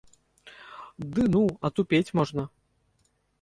Ды ну, атупець можна.